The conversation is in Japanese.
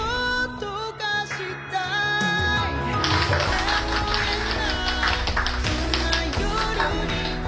「眠れないそんな夜には」